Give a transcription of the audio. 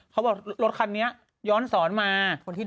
เขาบอกรถคันนี้ย้อนสอนมา